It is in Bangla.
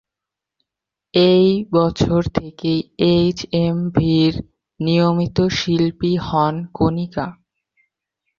এই বছর থেকেই এইচ এম ভি-র নিয়মিত শিল্পী হন কণিকা।